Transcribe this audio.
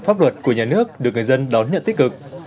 pháp luật của nhà nước được người dân đón nhận tích cực